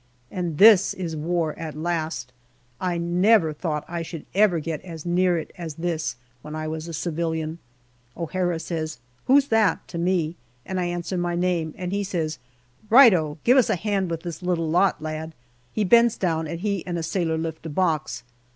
And this is war at last ! I never thought I should ever get as near it as this, when I was a civilian. O'Hara says, " Who's that ?" to me, and I answer my name, and he says, " Righto ! give us a hand with this little lot, lad." He 40 GALLIPOLI DIARY bends down, and he and a sailor lift a box.